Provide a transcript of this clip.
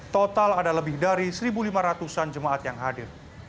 total ada lebih dari satu lima ratus an jemaat yang hadir